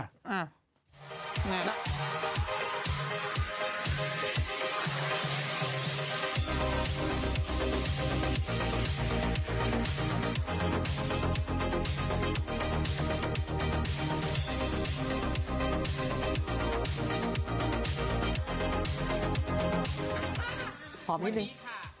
หอมนิดนึง